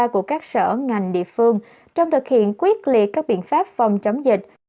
của các sở ngành địa phương trong thực hiện quyết liệt các biện pháp phòng chống dịch